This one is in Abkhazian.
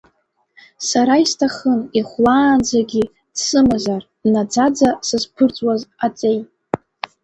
Сара исҭахын ихәлаанӡагьы дсымазар наӡаӡа сызԥырҵуаз аҵеи.